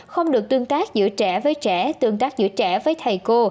không được tương tác giữa trẻ với trẻ tương tác giữa trẻ với thầy cô